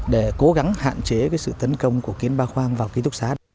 để cố gắng hạn chế sự tấn công của kiến ba khoang vào ký túc xá